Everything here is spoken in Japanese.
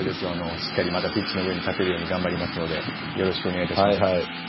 しっかりとピッチの上に立てるように頑張りますのでよろしくお願いします。